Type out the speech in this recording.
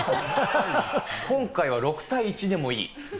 今回は６対１でもいい。